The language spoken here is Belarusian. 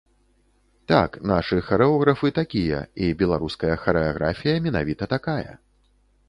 Так, нашы харэографы такія, і беларуская харэаграфія менавіта такая.